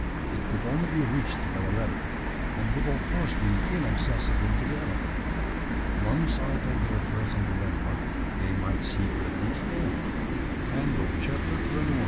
It could only be reached by a ladder, and would of course be inaccessible to the elephant. Once out of their present dilemma, they might seek refuge there. CHAPTER TWENTY TWO. DRA